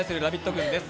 軍です。